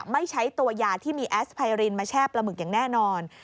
ไม่ใช้ตัวยาที่มีแอสไพรินมาแช่ปลาหมึกอย่างแน่นอน